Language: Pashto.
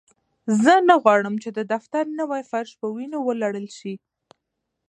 زه نه غواړم چې د دفتر نوی فرش په وینو ولړل شي